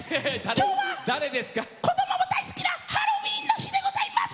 今日は子どもも大好きなハロウィーン日でございます！